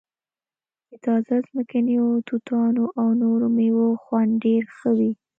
د تازه ځمکنیو توتانو او نورو میوو خوند ډیر ښه وي